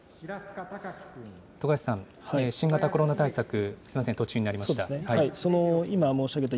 徳橋さん、新型コロナ対策、すみません、途中になりました。